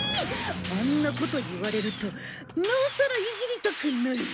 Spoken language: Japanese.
あんなこと言われるとなおさらイジりたくなる！